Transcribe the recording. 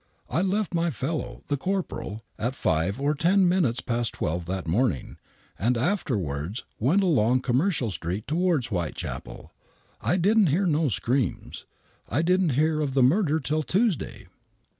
I left my fellow, the corporal, at five or ten minutes past 12 that morning and afterwards went along Commercial Street towards Whitechapel. I didn't hear no screams. I didn't hear of the murder till Tuesday."